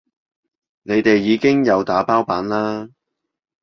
你哋已經有打包版啦